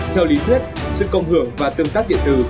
theo lý thuyết sự cộng hưởng và tương tác điện tử